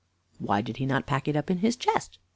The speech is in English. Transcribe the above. "Why did he not pack it up in his chest?"